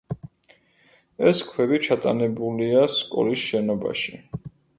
ეს ქვები ჩატანებულია სკოლის შენობაში.